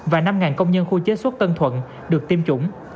và năm công nhân khu chế xuất tân thuận được tiêm chủng